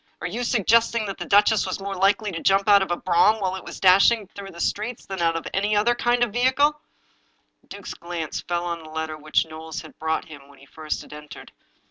Are you suggesting that the duchess was more likely to jump out of a brougham while it was dashing through the streets than out of any other kind of vehicle? " The duke's glance fell on the letter which Knowles had brought him when he first had entered.